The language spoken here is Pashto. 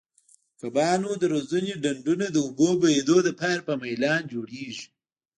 د کبانو د روزنې ډنډونه د اوبو بهېدو لپاره په میلان جوړیږي.